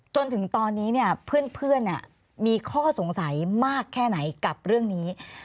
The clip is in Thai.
จนถึงตอนนี้เนี่ยเพื่อนมีข้อสงสัยมากแค่ไหนกับเรื่องนี้